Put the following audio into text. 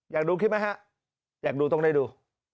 อยากดูคลิปไหมฮะอยากดูต้องได้ดู